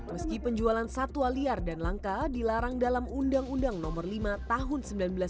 meski penjualan satwa liar dan langka dilarang dalam undang undang nomor lima tahun seribu sembilan ratus sembilan puluh